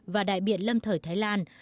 và đại biện lâm thời thái lan